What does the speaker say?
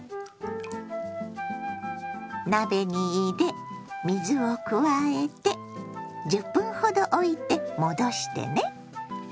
鍋に入れ水を加えて１０分ほどおいて戻してね。